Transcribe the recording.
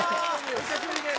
お久しぶりです。